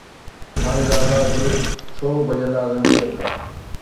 خانزادا زلف، ڇو ڀڄندا زنجير کان؟